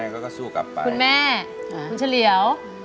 คุณแม่คุณเฉลียว